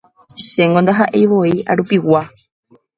Chéngo ndaha'eivoi arupigua